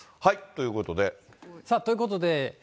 さあ、ということで。